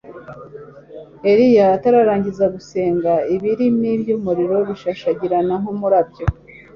Eliya atararangiza gusenga ibirimi byumuriro bishashairana nkumurabyo